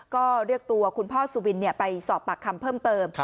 ก็เรียกตัวคุณพ่อสุบินไปสอบปากคำเพิ่มเติม